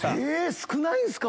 少ないんすか？